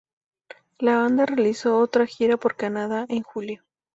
La banda realizó otra gira por Canadá en julio.